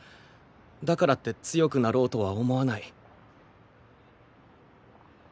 だからって強くなろうとは思わない。